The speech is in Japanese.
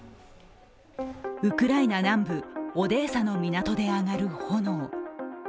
ウクライナ南部、オデーサの港で上がる炎。